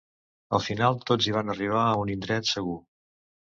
Al final, tots hi van arribar a un indret segur.